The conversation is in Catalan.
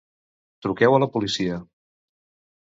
Truqueu a la policia.